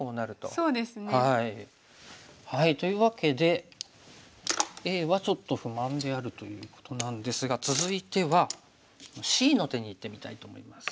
そうですね。というわけでＡはちょっと不満であるということなんですが続いてはＣの手にいってみたいと思います。